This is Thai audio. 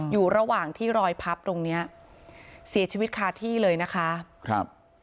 อยู่ระหว่างที่รอยพับตรงเนี้ยเสียชีวิตคาที่เลยนะคะครับ